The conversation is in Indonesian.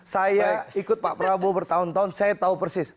saya ikut pak prabowo bertahun tahun saya tahu persis